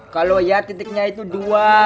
kalau ya titiknya itu dua